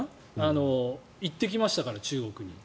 この前も行ってきましたから中国に。